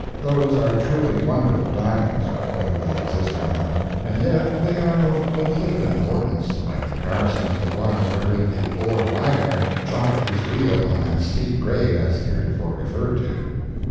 Those are truly wonderful diamonds, whether they exist or not; and yet they are of but little importance by comparison with the one wherewith the Boer wagoner chocked his wheel on that steep grade as heretofore referred to.